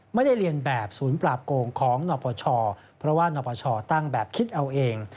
ไม่ได้เรียนแบบศูนย์ปราบโกงของนปชเพราะว่านปชตั้งแบบคิดเอาเอง